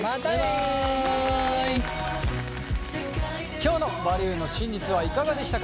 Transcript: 今日の「バリューの真実」はいかがでしたか。